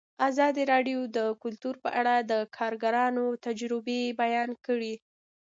ازادي راډیو د کلتور په اړه د کارګرانو تجربې بیان کړي.